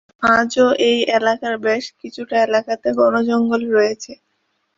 আজও এই এলাকার বেশ কিছুটা এলাকাতে ঘন জঙ্গল রয়েছে।